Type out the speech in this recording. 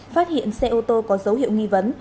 phát hiện xe ô tô có dấu hiệu nghi vấn